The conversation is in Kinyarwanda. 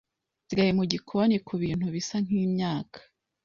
nsigaye mugikoni kubintu bisa nkimyaka